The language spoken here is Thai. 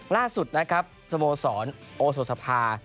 ล่าสุดนะครับสโมสรโอโสสภา